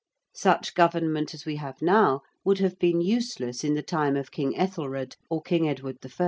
Such government as we have now would have been useless in the time of King Ethelred or King Edward I.